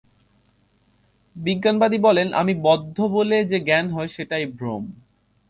বিজ্ঞানবাদী বলেন, আমি বদ্ধ বলে যে জ্ঞান হয়, সেটাই ভ্রম।